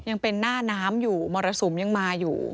ยังเป็นหน้าน้ำอยู่มรสุมยังมาอยู่